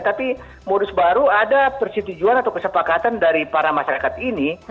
tapi modus baru ada persetujuan atau kesepakatan dari para masyarakat ini